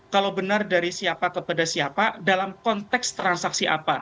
kalau benar dari siapa kepada siapa dalam konteks transaksi apa